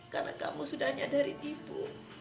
karena kamu sudah nyadarin ibu